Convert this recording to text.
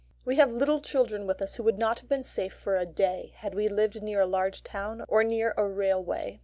We have children with us who would not have been safe for a day had we lived near a large town or near a railway.